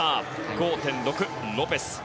５．６のロペス。